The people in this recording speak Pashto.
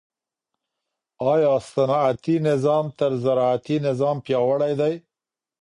آیا صنعتي نظام تر زراعتي نظام پیاوړی دی؟